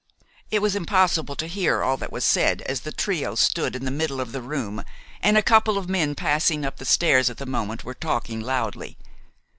It was impossible to hear all that was said, as the trio stood in the middle of the room and a couple of men passing up the stairs at the moment were talking loudly.